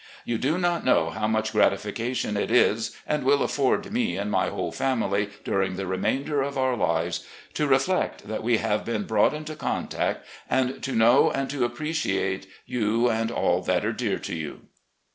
You do not know how much gratification it is, and will afford me and my whole family during the remainder of our lives, to reflect that we have been brought into contact, and to know and to appreciate you and all that are dear to you."